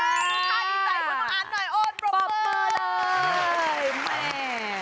ค่าดีใจของน้องอันหน่อยโอ๊ดปรบมือเลย